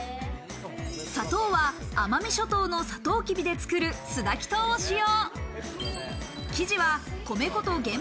砂糖は奄美諸島のサトウキビで作る素焚糖を使用。